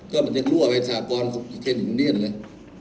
ก็มันจะรั่วไปสากรของประเทศอีกนึงเนียนเลย